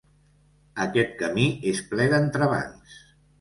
Aquest camí és ple d'entrebancs.